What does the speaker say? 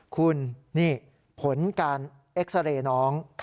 คุณนี่ผลการเอ็กซาเรย์น้อง